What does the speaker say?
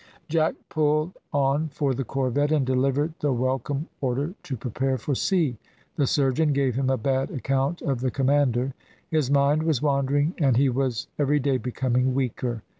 Jack pulled on for the corvette, and delivered the welcome order to prepare for sea. The surgeon gave him a bad account of the commander. His mind was wandering, and he was every day becoming weaker.